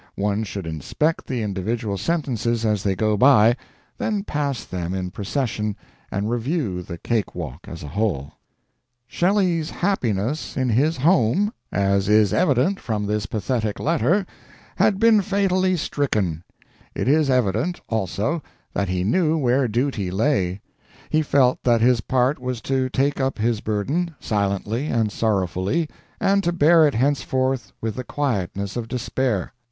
One should inspect the individual sentences as they go by, then pass them in procession and review the cake walk as a whole: "Shelley's happiness in his home, as is evident from this pathetic letter, had been fatally stricken; it is evident, also, that he knew where duty lay; he felt that his part was to take up his burden, silently and sorrowfully, and to bear it henceforth with the quietness of despair.